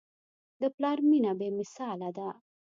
د پلار مینه بېمثاله ده.